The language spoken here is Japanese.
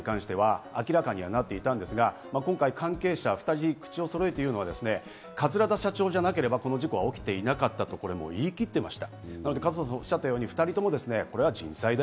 この事故直後から、ずさんな安全管理に関しては明らかになっていたんですが、今回、関係者２人、口を揃えて言うのは桂田社長でなければこの事故は起きていなかったと言い切っていました。